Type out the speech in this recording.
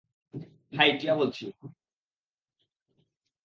High, Tiya বলছি।